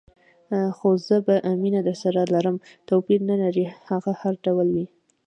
خو زه به مینه درسره لرم، توپیر نه لري هغه هر ډول وي.